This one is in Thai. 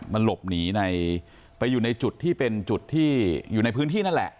มันหลบหนีไปอยู่ในจุดที่เป็นจุดที่อยู่ในพื้นที่นั่นแหละ